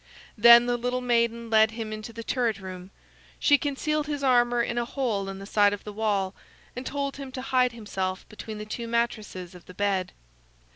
Then the little maiden led him into the turret room. She concealed his armor in a hole in the side of the wall, and told him to hide himself between the two mattresses of the bed.